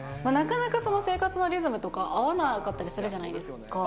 なかなかその生活のリズムとか合わなかったりするじゃないですか。